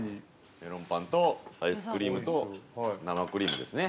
◆メロンパンとアイスクリームと生クリームですね。